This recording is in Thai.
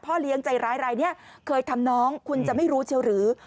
เลี้ยงใจร้ายรายนี้เคยทำน้องคุณจะไม่รู้เชียวหรือ